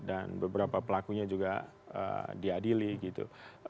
dan beberapa pelakunya juga diadili gitu